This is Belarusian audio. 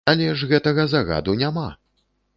Але ж гэтага загаду няма!